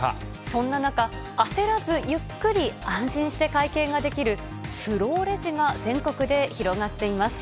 そんな中、焦らずゆっくり安心して会計ができる、スローレジが全国で広がっています。